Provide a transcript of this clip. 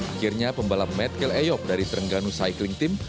akhirnya pembalap matt keleok dari terengganu cycling team